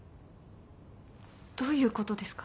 どういうことですか？